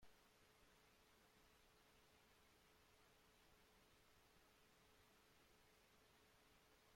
Posee tallos estriados que forman una gruesa penca con hojas acuñadas.